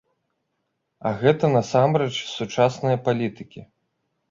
А гэта насамрэч сучасныя палітыкі.